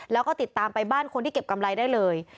แล้วก็ติดตามไปบ้านคนที่เก็บกำไรได้เลย